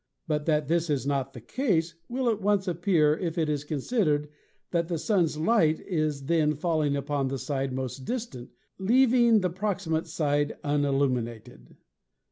But that this is not the case will at once appear if it is considered that the Sun's light is then falling upon the side most distant, leaving the proximate side unil lumined.